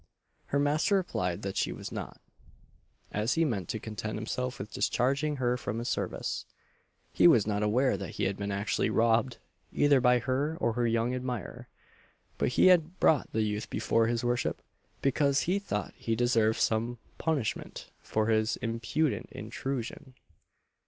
Her master replied that she was not as he meant to content himself with discharging her from his service. He was not aware that he had been actually robbed, either by her or her young admirer; but he had brought the youth before his worship, because he thought he deserved some punishment for his impudent intrusion.